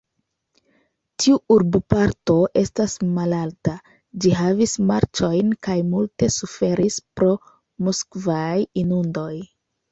Tiu urboparto estas malalta; ĝi havis marĉojn kaj multe suferis pro moskvaj inundoj.